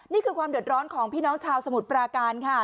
นี่คือความเดือดร้อนของพี่น้องชาวสมุทรปราการค่ะ